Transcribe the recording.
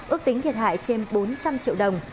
ước tính thiệt hại trên bốn trăm linh triệu đồng